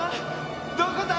どこだ？